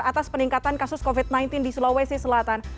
atas peningkatan kasus covid sembilan belas di sulawesi selatan